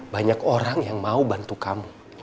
banyak orang yang mau bantu kamu